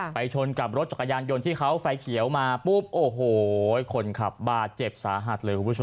ชนกับรถจักรยานยนต์ที่เขาไฟเขียวมาปุ๊บโอ้โหคนขับบาดเจ็บสาหัสเลยคุณผู้ชม